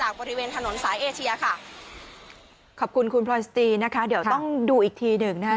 ขอบคุณคุณพลอยสตรีนะคะเดี๋ยวต้องดูอีกทีหนึ่งนะคะ